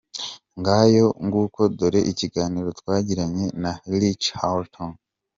Ngayo nguko dore ikiganiro twagiranye na Rick Hilton.